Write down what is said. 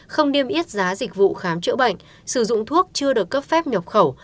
không niêm yết giá dịch vụ khám chữa bệnh sử dụng thuốc chưa được cấp phép nhập khẩu